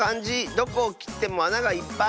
どこをきってもあながいっぱい。